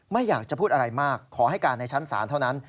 ไม่อยากจะพูดอะไรมากขอให้การในชั้นศาลเท่านั้น